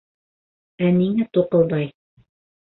— Ә ниңә туҡылдай?